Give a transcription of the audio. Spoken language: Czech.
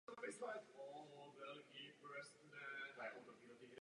Během druhé světové války byl vězněn v koncentračních táborech.